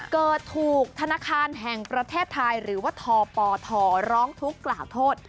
เกิดถูกธนาคารแห่งประเทศไทยหรือว่าทปทร้องทุกข์กล่าวโทษ